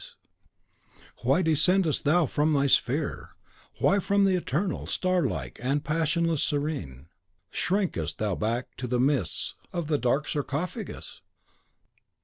'), why descendest thou from thy sphere, why from the eternal, starlike, and passionless Serene, shrinkest thou back to the mists of the dark sarcophagus?